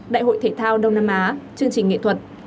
đại hội thể thao đông nam á chương trình nghệ thuật